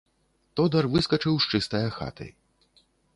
Тодар выскачыў з чыстае хаты.